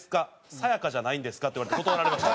「さや香じゃないんですか？」って言われて断られました。